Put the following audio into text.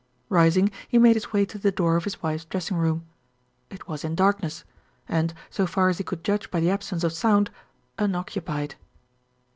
Rising, he made his way to the door of his wife's dressing room. It was in darkness; and, so far as he could judge by the absence of sound, unoccupied.